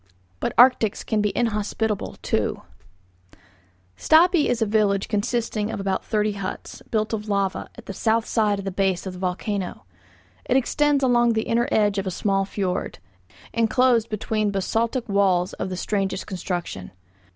BUT ARCTICS CAN BE INHOSPITABLE, TOO Stapi is a village consisting of about thirty huts, built of lava, at the south side of the base of the volcano. It extends along the inner edge of a small fiord, inclosed between basaltic walls of the strangest construction.